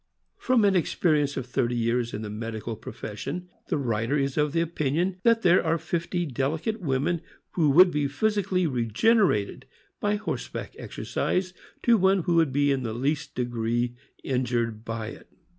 From an experience of thirty years in the medical pro fession, the writer is of opinion that there are fifty delicate women who would be physically regenerated by horseback exercise to one who would be in the ]east degree injured by it.